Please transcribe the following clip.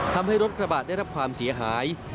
ทำให้รถกระบะได้รับความเสียหาย